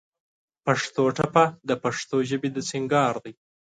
پښتو ټپه د پښتو ژبې د سينګار دى.